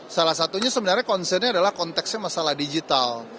salah satunya sebenarnya concernnya adalah konteksnya masalah digital